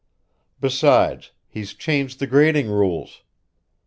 Besides, he's changed the grading rules.